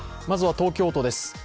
まずは東京都です。